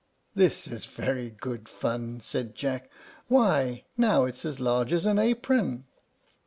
"This is very good fun," said Jack; "why now it is as large as an apron."